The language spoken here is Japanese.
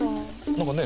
何かね